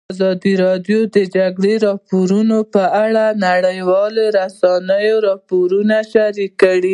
ازادي راډیو د د جګړې راپورونه په اړه د نړیوالو رسنیو راپورونه شریک کړي.